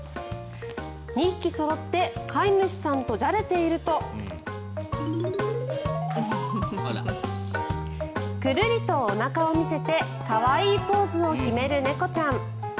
２匹そろって飼い主さんとじゃれているとくるりとおなかを見せて可愛いポーズを決める猫ちゃん。